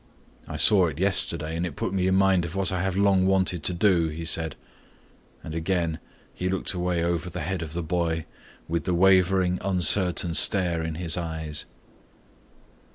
"I saw it yesterday and it put me in mind of what I have long wanted to do," he said, and again he looked away over the head of the boy with the wavering, uncertain stare in his eyes.